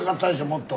もっと。